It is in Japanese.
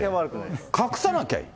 隠さなきゃいい。